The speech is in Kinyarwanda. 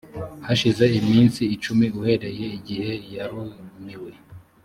hashize iminsi icumi uhereye igihe yarumiwe